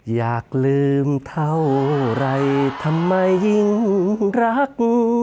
อยากลืมเท่าไหร่ทำไมยิ่งรัก